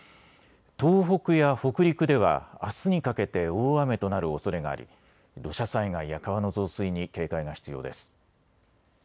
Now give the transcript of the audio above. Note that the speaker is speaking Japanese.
東北や北陸では、あすにかけて大雨となるおそれがあり土砂災害や川の増水に警戒が必要です。